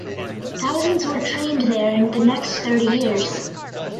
Thousands were trained there in the next thirty years.